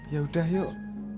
ya udah yuk